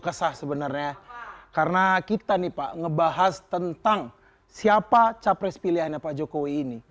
kesah sebenarnya karena kita nih pak ngebahas tentang siapa capres pilihannya pak jokowi ini